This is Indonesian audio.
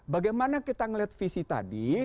bagaimana kita melihat visi tadi